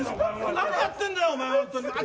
何やってんだよ！